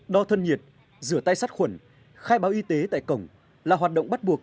đo thân nhiệt rửa tay sát khuẩn khai báo y tế tại cổng là hoạt động bắt buộc